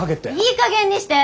いい加減にして！